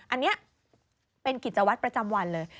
อันนี้เป็นกิจวัตรประจำวันเลย